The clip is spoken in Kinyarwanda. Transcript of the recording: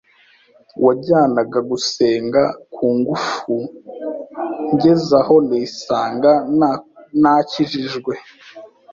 wanjyanaga gusenga ku ngufu ngeze ahp nisanga nakijijwe,